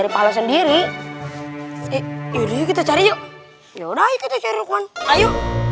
pahala sendiri yuk yuk yuk ayo